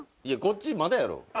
いやこっちまだやろ。